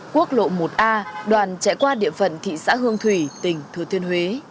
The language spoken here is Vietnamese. quốc lộ một a đoàn trải qua địa phận thị xã hương thuyền